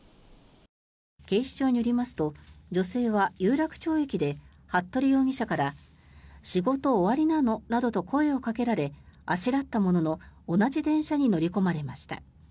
警視庁によりますと女性は有楽町駅で服部容疑者から仕事終わりなの？などと声をかけられあしらったものの同じ電車に乗り込まれました。